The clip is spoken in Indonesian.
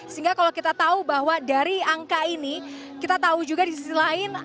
sehingga kalau kita tahu bahwa dari angka ini kita tahu juga di sisi lain